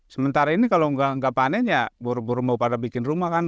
sementara ini kalau nggak panen ya buru buru mau pada bikin rumah kan